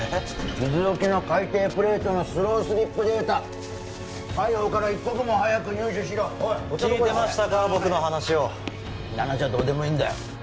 伊豆沖の海底プレートのスロースリップデータ海保から一刻も早く入手しろおい聞いてましたか僕の話をそんな話はどうでもいいんだよ